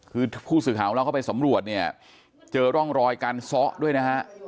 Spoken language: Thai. คือผู้สื่อข่าวของเราเข้าไปสำรวจเนี่ยเจอร่องรอยการซ้อด้วยนะฮะ